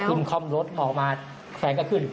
ขึ้นคอมรถออกมาแฟนก็ขึ้น